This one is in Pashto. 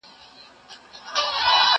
مرگ موش دئ نوم پر ايښى دهقانانو